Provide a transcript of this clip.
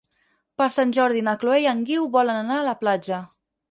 Per Sant Jordi na Chloé i en Guiu volen anar a la platja.